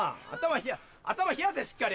頭冷やせしっかり。